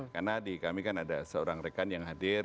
karena di kami kan ada seorang rekan yang hadir